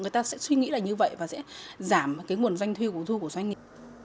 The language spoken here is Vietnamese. người ta sẽ suy nghĩ là như vậy và sẽ giảm cái nguồn doanh thu của doanh nghiệp